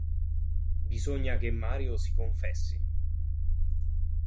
Bisogna che Mario si confessi.